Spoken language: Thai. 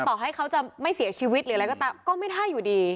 ต่อให้เขาจะไม่เสียชีวิตหรืออะไรก็ตามก็ไม่ได้อยู่ดี